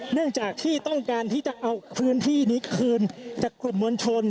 เนื่องจากที่ต้องการที่จะเอาพื้นที่นี้คืนจากกลุ่มมวลชน